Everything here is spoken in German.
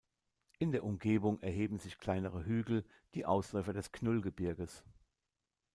In der Umgebung erheben sich kleinere Hügel, die Ausläufer des Knüllgebirges.